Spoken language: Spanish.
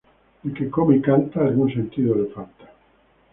El que come y canta algún sentido le falta